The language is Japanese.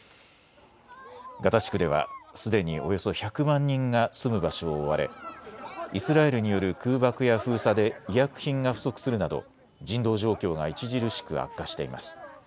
ガザ地区では、すでにおよそ１００万人が住む場所を追われイスラエルによる空爆や封鎖で医薬品が不足するなど人道状況が著しく悪化しています。